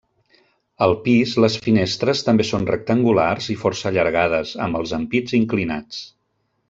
Al pis, les finestres també són rectangulars i força allargades, amb els ampits inclinats.